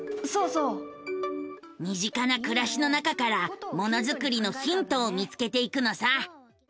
身近な暮らしの中からものづくりのヒントを見つけていくのさ。